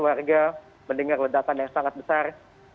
warga mendengar ledakan yang sangat besar